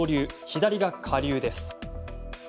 左が下流です。